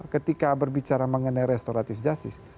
ketika berbicara mengenai restoratif justice